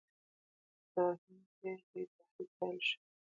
د هند پریږدئ تحریک پیل شو.